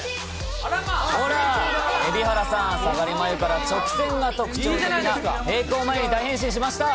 ほら、蛯原さん、下がり眉から、直線が特徴的な平行眉に大変身しました。